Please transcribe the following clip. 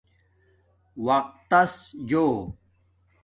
وقت تس جو